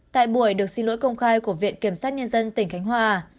tại buổi được xin lỗi công khai của viện kiểm sát nhân dân tỉnh khánh hòa